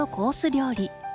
料理。